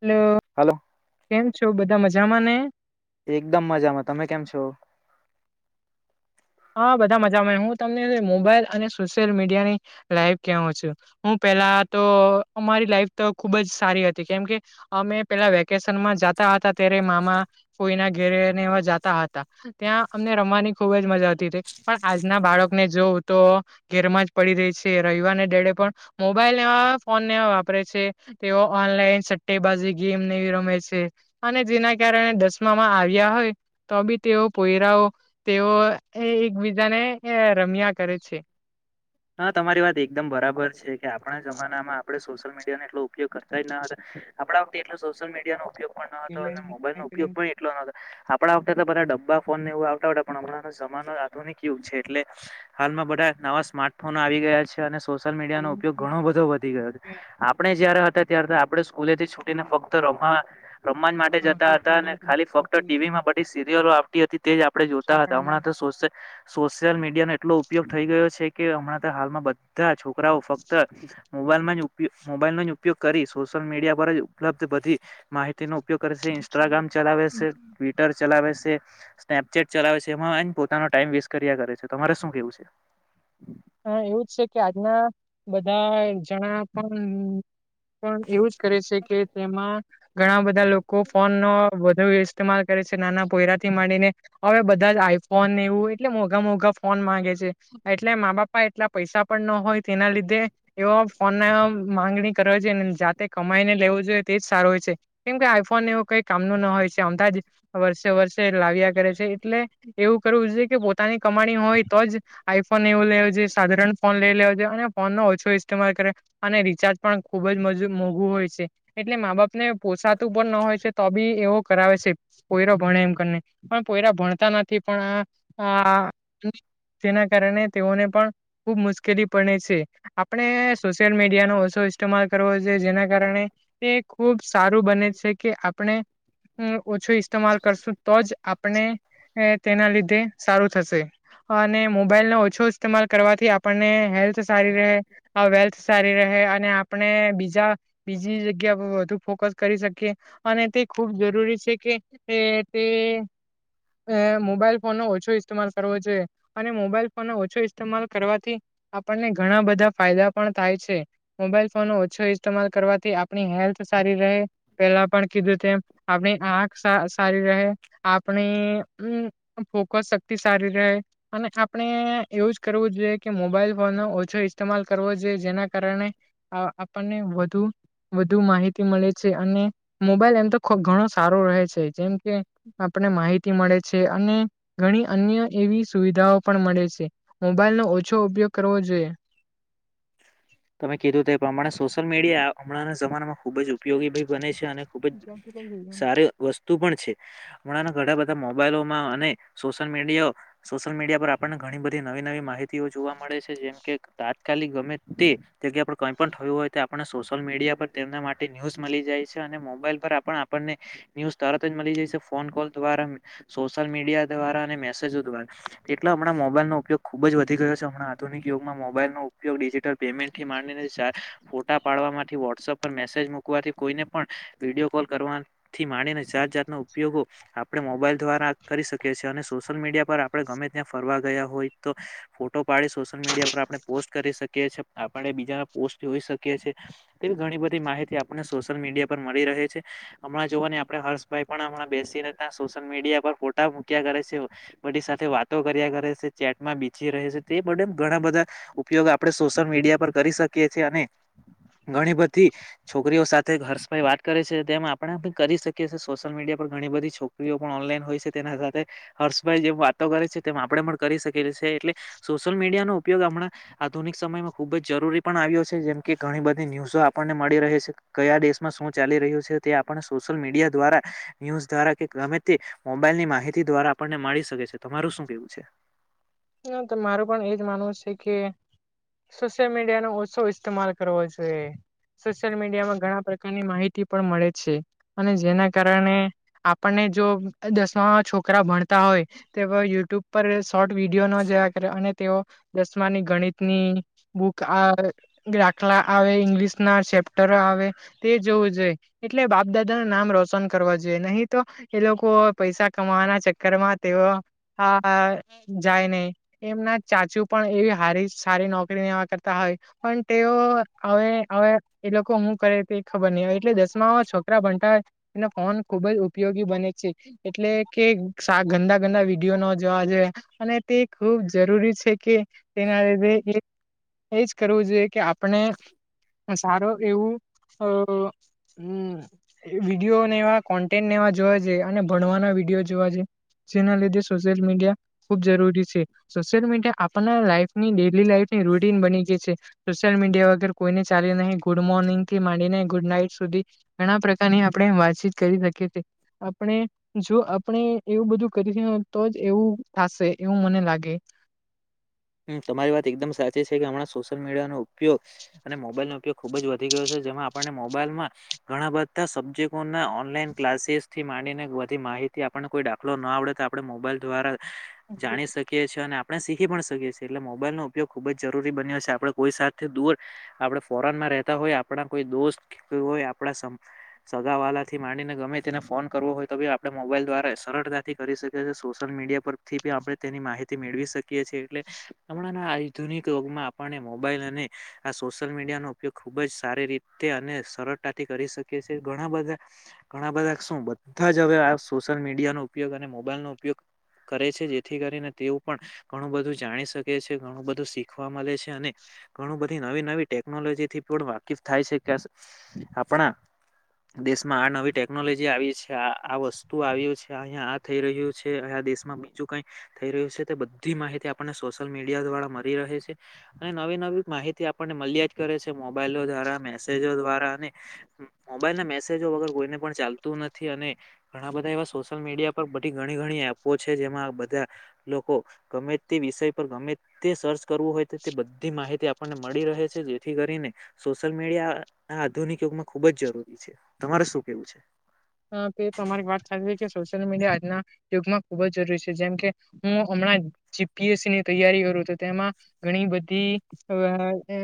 Hello hello કેમ છો બધા મજામાં ને એકદમ મજામાં તમે કેમ છો. હ બધા મજામાં હું તમને મોબાઈલ અને સોશિયલ મીડિયાની લાઈવ કેવુ છું, હું પેલા તો અમારી લાઈફ તો ખુબ જ સારી હતી કેમકે અમે પેલા વેકેશનમાં જાતા હતા તે ત્યારે મામા ફોઈના ઘેરેને એવા જતા હતા ત્યાં અમને રમવાની ખુબજ મજા આ તીતી પણ આજના બાળકને જો તો ઘેરમાં જ પડી રહી છે, રવિવાર દાળે પણ મોબલ મોબાઈલ નેવા ફોન નેવા વાપરે છે, તેઓ ઓનલાઈન સટ્ટેબાજી ગેમ નેવી રમે છે. અને જેના કારણે દસમામાં આવ્યા હોય તો બી તેઓ પોયરાઓ તેઓ એ એકબીજાને રમ્યા કરે છે. હા તમારી વાત એકદમ બરાબર છે, કે આપણા જમાનામાં આપણેે સોશિયલ મીડિયાને એટલો ઉપયોગ કરતા જ ન હતા આપણા વખતે એટલો સોશિયલ મીડિયાનો ઉપયોગ પણ ન હતો, અને મોબાઈલનો ઉપયોગ પણ એટલો ન હતો, આપણા ત્યારે તો બધા ડબ્બા ફોન નેવુ આવતા હતા પણ હમણાંનો જમાનો આધુનિક યુગ છે, એટલે હાલમાં બધા નવા સ્માર્ટ ફોન આવી ગયા છે, અને સોશિયલ મીડિયાનો ઉપયોગ ઘણો બધો વધી ગયો આપણે જયારે હ તા ત્યાર તો આપણે સ્કૂલેથી છુટીને ફક્ત રમવા રમા જ માટે જતા હતા અને ખાલી ફક્ત ટીવીમાં બધી સિરિયલો આવતી હતી. તે જ આપણે જોતા હતા હમણાં તો સોશલ સોશિયલ મીડિયાનો એટલો ઉપયોગ થઈ ગયો છે. કે હમણાં તો હાલમાં બધાં છોકરાઓ ફક્ત મોબાઈલમાં ઉપયો મોબાઈલનો જ ઉપયોગ કરી સોસ સોશિયલ મીડિયા પર જ ઉપલબ્ધ બધી માહિતીનું ઉપયોગ કરે સે ઈન્સ્ટાગ્રામ ચલાવે સે, ટ્વિટર ચલાવે સે, સ્નેપચેટ ચલાવે છે, એમાં એને પોતાનો ટાઈમ વેસ્ટ કર્યા કરે છે, તમારે શું કેવું છે? હા એવું જ છે, કે આજના બધા જણા પણ પણ એવું જ કરે છે, કે તેમાં ઘણા બધા લોકો ફોનનો વધુ ઇસ્તેમાલ કરે છે, નાના પોયરાથી માંડીને અવે બધા જ આઈફોન એવું એટલે મોઘા મોઘા ફોન માંગે છે, એટલે મા બાપ એટલા પૈસા પણ ન હોય તેના લીધે એવો ફોનના માંગણી કરે છે, જાતે ક માયને લેવું જોઈએ તેજ સારું હોય છે, કેમ કે આઈફોન એવું કઈ કામનું ના હોય છે, આમથા જ વર્ષે વર્ષે લાવ્યા કરે છે, એટલે એવું કરવું છે, કે પોતાની કમાણી હોય તો જ આઈફોન એવું લેવુ જો ફોન લઈ લેવો જોઈએ અને ફોનનો ઓછો ઇસ્તેમાલ કરે અને રિચાર્જ પણ ખુબ જ મજુ મોંઘું હોય છે. એટલે મા બાપ ને પોસાતું પણ ન હોય છે, તો બી એવો કરાવે છે, પોયરો ભણે એમ કરીને પન પો યરા ભણતા નથી પણ આ આ તેના કારણે તેઓને પણ ખુબ મુશ્કેલી પડે સે. આપણે સોશિયલ મીડિયાનો ઓછો ઇસ્માલ કરવો જોઈએ જેના કારણે તે ખુબ સારું બને છે કે આપણે અમ ઓછો ઇસ્તેમાલ કરશું તો જ આપને એ તેના લીધે સારું થશે. અને મોબાઈલ નો ઓછો ઇસ્તેમાલ કરવાથી આપણને હેલ્થ સારી રહે, વેલ્થ સારી રહે હે અને આપણે બીજા બીજી જગ્યા પર વધુ ફોકસ કરી શકીએ અને તે ખુબ જ રૂરી છે કે તે તે અ મોબાઈલ ફોન નો ઓછો ઇસ્તેમાલ કરવો જોએ અને મોબાઈલ ફોન નો ઓછો ઈસ તેમાલ કરવાથી આપણને ઘણા બધા ફાયદા પણ થાય છે. મોબાઈલ ફોન ઓછો ઈસ્તમાલ કરવાથી આપણી હેલ્થ સારી રહે પેલા પણ કીધું તેમ આપણી આંખ સા સારી રહે આપણી અમ ફોકસ શક્તિ સારી રહે અને આપણે એવું જ કરવું જોઈએ કે મોબાઈલ ફોન નો ઓછો ઇસ્તેમાલ કરવો જોઈએ. જેના કારણે અ આપણને વધુ વધુ માહિતી મળે છે અને મોબાઈલ એમ તો ઘણો સારો રહે છે. જેમ કે આપ ને માહિતી મળે છે અને ઘણી અન્ય એવી સુવિધાઓ પણ મળે છે. મોબાઈલનો ઓછો ઉપયોગ કરવો જોઈએ. તમે કીધું તે પ્રમાણે સોશિયલ મીડિયા હમણાં જમાનામાં ખુબ જ ઉપયોગી ભી બને છે અને ખુબ જ જેથી સારી વસ્તુ પણ છે. હમણાં ઘણા બધા મોબાઈલોમાં અને સોશિયલ મીડિયાઓ સોશિયલ મીડિયા પર આપણને ઘણી બધી નવી નવી માહિતીઓ જોવા મળે છે. જેમ કે તાત કાલી ગમે તે જગ્યા પણ કઈ પણ થયું હોય તો આપણને સોશિયલ મીડિયા પર તેમના માટે ન્યૂઝ મળી જાય છે મોબાઈલ પર આપણ આપણને ન્યુઝ તરત જ મળી જશે ફોન કોલ દ્વારા સોશિયલ મીડિયા દ્વાર રા ને મેસેઝો દ્વારા. એટલે હમણાં મોબાઈલનો ઉપયોગ ખુબ જ વધી ગયો છે હમણા આધુનિક યુગમાં મોબાઈલનો ઉપયોગ ડિજિટલ પેમેન્ટ થી માંડીને ફોટા પાડવામાંથી વોટ્સએપ પર મેસેજ મૂકવાથી કોઈને પણ વિડીયો કોલ કરવાથી માડીને જાત જાતનો ઉપયોગો આપણે મોબાઈલ દ્વારા કરી શકીએ છીએ અને સોશિયલ મીડિયા પર આપણે ગમે ત્યાં ફરવા ગયા હોય તો ફોટો પાડી સોશિયલ મીડિયા પર આપણે પોસ્ટ કરી શકીએ છી આપણે બીજા પોસ્ટ જોઈ શકીએ છીએ. એવી ઘણી બધી માહિતી આપને સોશિયલ મીડિયા પર મળી રહે છે હમણાં જોવાને આપણે હર્ષભાઈ પણ હમણાં બેસીને ત્યાં સોશિયલ મીડિયા પર ફોટા મૂક્યા કરે પછ સાથે વાતો કર્યા કરે છે, ચેટમાં બીસી રહે છે તે બે ઘણા બધા ઉપયોગ આપડે સોશિયલ મીડિયા પર કરી શકીએ છીએ અને ઘણી બધી છોકરીઓ સાથે હર્ષભાઈ વાત કરે છે. તેમ આપણે પણ કરી શકી છીએ સોશિયલ મીડિયા ઘણી બધી છોકરીઓ પણ ઓનલાઈન હોય છે તેના સાથે હર્ષભાઈ જેમ વાતો કરે છે તેમ આપણેે પણ કરી શક એ છે એટલે સોશિયલ મીડિયા નો ઉપયોગ હમણાં આધુનિક સમયમાં ખુબ જ જરૂરી પણ આવ્યો છે જેમ કે ઘણી બધી ન્યુઝો આપણને મળી રહે છે. કયા દેશમાં શું ચાલી રહ્યું છે તે આપણને સોશિયલ મીડિયા દ્વારા, ન્યુઝ દ્વારા કે ગમે તે મોબાઈલની માહિતી દ્વારા આપણને મળી શકે છે. તમારું શું કેવું છે? ના તો મારું પણ એજ માનવું છે કે સોશિયલ મીડિયા નો ઓછો ઇસ્તેમાલ કરવો જોઈએ. સોશિયલ મીડિયામાં ઘણા પ્રકારની માહિતી પણ મળે છે અને જેના કારણે આપણને જો દસમા છોકરા ભણતા હોય તો યુટ્યુબ પર શોર્ટ વિડીયો ને જેવા કર અને તેઓ દસમાની ગણિત ની બુક આ દાખલા આવે ઇંગલીશ ના ચેપ્ટર આવે તે જોવું જોઈએ એટલે બાપ દાદા ના નામ રોશન કરવા જે નહી તો એ લોકો પૈસા કમાવાના ચક્કર માં તેઓ આ જાય નહી. એમના ચાચુ પણ એવી હારી સારી નોકરી વા કરતા હોય પણ તેઓ હવ હવે એ લોકો હું કરે તે ખબર ની આવે એટલે દસમામાં છોકરા ભણતા હોય ને કોમ ફો ખુબ જ ઉપયોગી બને છે એટલે કે ગંદા ગંદા વિડીયો ન જોવા જોઈએ અને તે ખૂબ જરૂરી છે કે તેના લીધે એજ કરવું જોઈએ કે આપણે સારું એવું અ વિડીયો ને વા કોન્ટેન્ટ ને વા જોવા જોયે અને ભણવાના વિડીયો જોવા જેના લીધે સોશિયલ મીડિયા ખૂબ જરૂરી છે. સોશિયલ મીડિયા આપ લાઈફની ડેલી લાઈફની રૂટીન બની ગઈ છે. સોશિલ મીડિયા વગર કોઈને ચાલ્યું નહીં ગુડ મોર્નિંગ થી માંડી ન ગુડ નાઈટ સુધી ઘણા પ્રકારની આપણે વા ચિત કરી નાખીએ કે આપણે જો આપણે એવું બધું કરી રહ્યા તો જ એવું થશે એવું મને લાગે. હ તમારી વાત એકદમ સાચી છે કે હમણાં સોશિયલ મીડિયાનો ઉપયોગ અને મોબાઈલનો ઉપયોગ ખુબ જ વધી ગયો છે. જેમાં આપણને મોબાઈલમાં ઘણા બધા સબ્જેક્ટો ઓનલાન ક્લાસીસ થી માંને વધી તે થી આપણને કોઈ દાખલો ના આવડે તો આપણે મોબાઈલ દ્વારા જાણી શકીએ છીએ અને આપણે સીખી પણ શકીએ છે એટલે મોબાઈલ ન ઉપયોગ ખુબ જ જરૂરી બન્યો છે આપણે કોઈ સાથી દૂર આપણે ફોરનમાં રહેતા હોય આપણા કોઈ દોસ્ત કેવુ હોય આપ સગા વાળલા થી માંડીને ગમે તેને ફોન કરવો હોય તો ભી આપણે મોબાઈલ મોબાઈલ દ્વારા સરળતાથી કરી શકે છીએ સોશિયલ મીડિયા પરથી બી આપણે તેની માહિતી મેળવી શકીએ છીએ એટલે હમણાં ના આધુનિક યોગમાં આપને મોબાઈલ અને આ સોશિયલ મીડિયા નો ઉપયોગ ખુબ જ સારી રીતે અને સરળતાથી કરી શકીએ છીએ ઘણા બધા ઘણા બધા શું બધા જ હવે આ સોશિયલ મીડિયા નો ઉપયોગ અને મોબાઈલ નો ઉપયોગ કરે છે જેથી કરીને તેઓ પણ ઘણું બધું જાણી શકે છે ઘણું બધું શીખવા મળે છે અને ઘણું બધી નવી નવી ટેકનોલોજી થી પણ વાકીફ થાય છે કે આપણા દેશમાં આ નવી ટેકનોલોજી આવી છે આ આ વસ્તુ આવ્યું છે અહિયાં આ થઈ રહ્યું છે અ દેશમાં બીજું કઈ થઈ રહ્યું છે તે બધી માહિતી આપ આપને સોશિયલ મીડિયા દ્વારા મળી રહે છે ને નવી નવી માહિતી આપણને મળલ્યા જ કરે છે. મોબાઈલો દ્વારા મેસેજો દ્વારા અને મોબાઈલ ના મેસેજો વગર કોઈ ને પણ ચાલતું નથી અને ઘણા બધા એવા સોશિયલ મીડિયા પર બધી ઘણી ઘણી એપો છે જેમાં બધા લોકો ગમે તે વિષય પર ગમે તે સર્ચ કરવું હોય તો તે બધી માહિતી આપણને મળી રહે છે જેથી કરીને સોશિયલ મીડિયા આ આધુનિક યુગમાં ખુબ જ જરૂરી છે તમારે શું કેવું છે. હા તે તમારી વાત સાચવી છે. સોશિયલ મીડિયા આજના યુગમાં ખુબ જરૂરી છે જેમકે હું હમણાં જી પી એસ સી ની તૈયારી કરું કરું છું તેમાં ઘણી બધી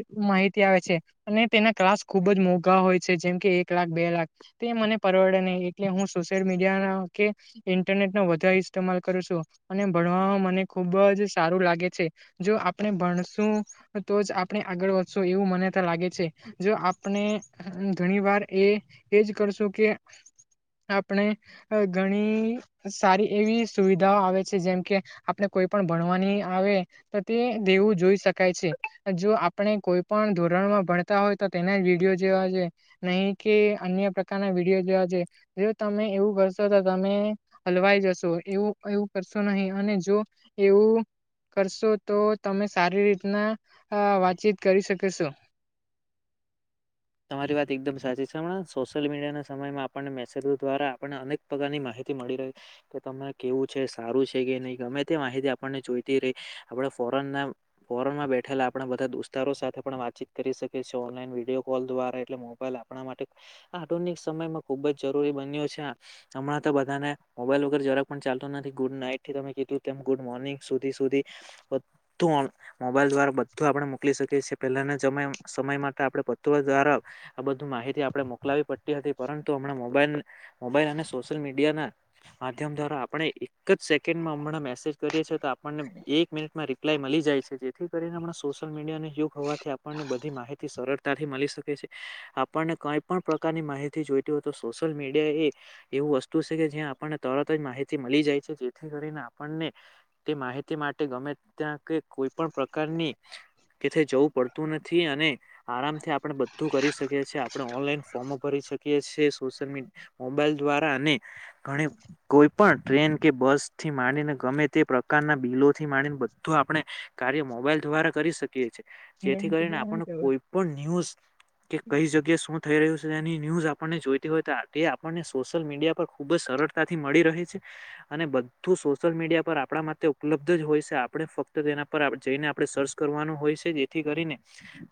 [unintelligible] માહિતી આવે છે અને તેના ક્લાસ ખુબ જ મોંઘા હોય છે જેમ કે એક લાખ બે લાખ તે મને પરવડે નહીં એટલે હું સોશિયલ મીડિયા કે ઇન્ટરનેટ નો વધારે ઇસ્તેમાલ કરું છું. અને ભણવાવામાં મને ખુબ જ સારું લાગે છે જો આપણે ભણશું તો જ આપણે આગળ વધશો એવું મનેતા લાગે છે જો આપણે ઘણી વાર એ એજ કરશું કરશું કે આપણે ઘણી સારી એવી સુવિધાઓ આવે છે જેમ કે આપણે કો કોઈ પણ ભણવાની આવે તો તે દેવું જોઈ શકાય છે જો આપણે કોઈ પણ ધોરણ ઘર માં ભણતા હોય તો તેના જ વિડીયો જેવા છે નહી કે અન્ય પ્ર પ્રકાર ના વિડીયો જોવા છે જો તમે એવું કરશો તો તમે હલવાઈ જશો એવું એવું કરશો નહી અને જો એવું કરશો તો તમે સારી રીતના આ વાતચીત કરી શકશો. [inaudible] તમારી વાત એકદમ સાચી છે હમણાં સોશિયલ મીડિયાના સમયમાં આપણને મેસેજો દ્વારા આપણને અનેક પ્રકારની માહિ તી મળી રહી કે તમને કેવું છે સારું છે કે નહીં ગમે તે માહિતી આપણને જોઈતી રહી આપણ ફો ફોરન ફોરનમાં બેઠેલા આપણે બધા દુસ્તારો સાથે પણ વાતચીત કરી શકશો અને વિડીયો કોલ દ્વારા એટલે મોબાઈલ આપણા માટે આધુનિક સમયમાં ખૂબ જ જરૂરી બન્યો છે હમણાં તો તો બધાને મોબાઈલ વગર જરાક પણ ચાલતું નથી ગુડ નાઈટ થી તમે કીધું તેમ ગુડ મોર્નિંગ સુધી સુધી બધું આમ મોબાઈલ દ્વારા બધું આપડે મોકલી શકીએ છીએ પેલાન જમ્યા સમય માટે આપડે બા [unintelligible] દ્વારા આ બધું માહિતી આપણે મોકલાવી પડતી હતી પરંતુ હમણા મોબાઈલ મોબાઈલ અને સોશિયલ મીડિયાના આદ્યમ દ્વારા આપણે એક જ સેકન્ડમાં હણાં મેસેજ કરીએ છીએ તો આપને એક મી મિનિટમાં રિપ્લાય મળી જાય છે જેથી કરીને પણ સોશિયલ મીડિયાને યુગ હોવાથી આપણને બધી માહિતી સરળ તાથી મળી શકે છે આપણને કઈ પણ પ્રકારની માહિતી જોઈતી હો તો સોશિયલ મીડિયા એ એવું વસ્તુ છે કે જ્યાં આપણને તરત જ માહિતી મળી જાય છે જેથી કરીને આપણને તે માહિતી માટે ગમે ત્યાં કે કોઈ પણ પ્રકારની કે જવું પડતું નથી અને આરામથી આપણે બધું કરી શકીએ છે, આપણે ઓનલાઈન ફોમો ભરી શકીએ છે, સોશિયલ મ મોબાઈલ દ્વારા અને કોઈ પણ ટ્રેન કે બસ થી માંડીને ગમે તે પ્રકારના બિલો થીને માળીન બધું આપણે કાર્ય મોબાઈલ દ્વારા કરી શકીએ છે, જેથી કરીને આપણને કોઈ પણ ન્યૂઝ કે કઈ જગ્યા એ શું થઈ રહ્યું છે તેની ન્યૂઝ આપણને જોઈતી હોય તો તે આપણને સોશલ મીડિયા પર ખૂબ જ સરળતાથી મળી રહે છે. અને બધું સોશલ મીડિયા પર આપણા માટે ઉપલબ્ધ જ હોય છે, આપણે ફક્ત તેના પર આ જઈને આપડે સર્ચ કરવાનું હોય છે જેથી કરીને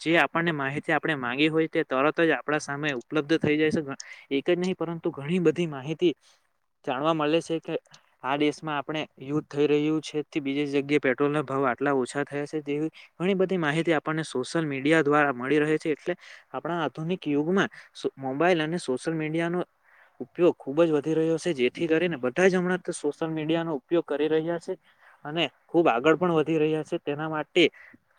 જે આ પણને માહિતી આપણે માંગી હોય તે તરત જ આપણા સામે ઉપલબ્ધ થઈ જાય છે. ઘ એક જ નહીં પરંતુ ઘ ણી બધી માહિતી જાણવા મલે છે કે આ દેશમાં આપણે યુદ્ધ થઈ રહ્યું છે થી બીજી જગ્યાએ પેટ્રોલ ના ભાવ આટલા ઓછા થયા છે, તેવી ઘણી બધી માહિતી આપણને સોશલ મીડિયા દ્વારા મળી રહે છે એટલે આપણા આધુનિક યુગમાં સુ મોબાઈલ અને સોશલ મીડિયાનો ઉપયોગ ખૂબ જ વધી રહ્યો છે જેથી કરીને બધાએ જ હમણાં તો સોશલ મીડિયાનો ઉપયોગ કરી રહ્યા છે. અને ખુબ આગળ પણ વધી રહ્યા છે તેના માટે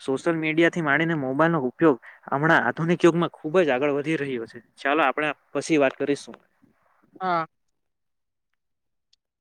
સોશલ મીડિયા થી માણીને મોબાઈલ નો ઉપયોગ હમણાં આધુનિક યુગમાં ખુબ જ આગળ વધી રહ્યો છે. ચાલો આપણે પછી વાત કરીશું. હા